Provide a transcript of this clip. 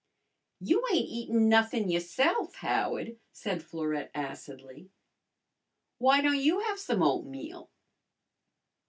"You ain't eatin' nothin' yourse'f, Howard," said Florette acidly. "W'y don' you have some oatmeal?"